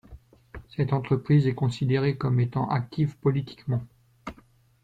Cette entreprise est considérée comme étant active politiquement.